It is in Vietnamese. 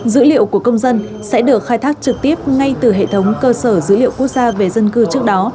dữ liệu của công dân sẽ được khai thác trực tiếp ngay từ hệ thống cơ sở dữ liệu quốc gia về dân cư trước đó